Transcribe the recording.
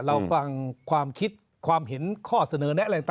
เราฟังความคิด๓ความเห็นข้อเสนอแน่